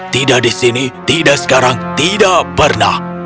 tidak di sini tidak sekarang tidak pernah